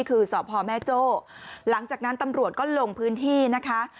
คือสพแม่โจ้หลังจากนั้นตำรวจก็ลงพื้นที่นะคะ